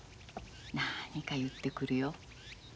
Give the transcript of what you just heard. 何か言ってくるよ。